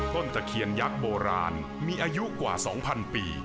ตะเคียนยักษ์โบราณมีอายุกว่า๒๐๐ปี